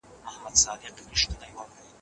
وار په وار پورته كېدله آوازونه